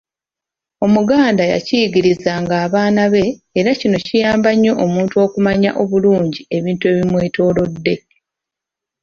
Omuganda yakiyigirizanga abaana be era kino kiyamba nnyo omuntu okumanya obulungi ebintu ebimwetoloodde.